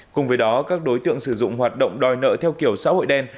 cùng với đó các đối tượng sử dụng hoạt động đòi nợ theo kiểu xã hội đen